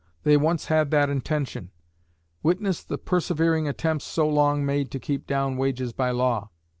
They once had that intention; witness the persevering attempts so long made to keep down wages by law.